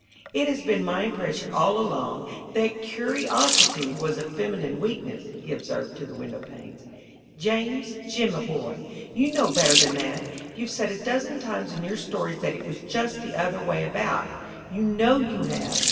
"It has been my impression all along that curiosity was a feminine weakness," he observed to the windowpanes. "James Jimaboy! You know better than that! You've Said a dozen times in your stories that it was just the other way about you know you have.